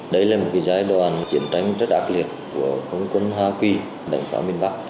đây là một giai đoạn chiến tranh rất ác liệt của không quân hoa kỳ đánh phá miền bắc